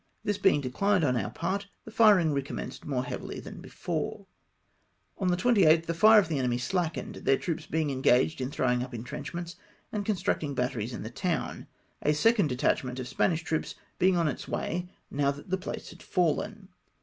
This being declined on our part, the firing recommenced more heavily than before. On the 28th the fire of the enemy slackened, their troops being engaged in thromng up intrenchments and constructing batteries in the town, a second detach ment of Spanish troops being on its way now that the place had fallen.